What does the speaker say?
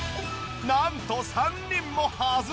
なんと３人もはずれ！